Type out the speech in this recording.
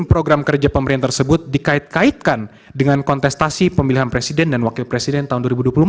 program kerja pemerintah tersebut dikait kaitkan dengan kontestasi pemilihan presiden dan wakil presiden tahun dua ribu dua puluh empat